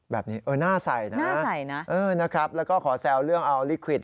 แบบนี้เออน่าใส่นะนะครับแล้วก็ขอแซวเรื่องเอาลิควิด